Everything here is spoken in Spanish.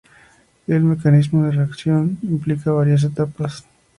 El mecanismo de reacción implica varias etapas.